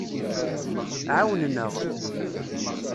Ɛawnen-aɣ.